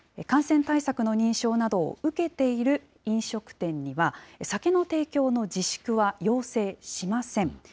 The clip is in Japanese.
感染対策の認証などを受けている飲食店には、酒の提供の自粛は要請しません。